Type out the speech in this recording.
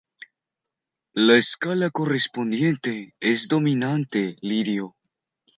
La escala correspondiente es dominante lidio.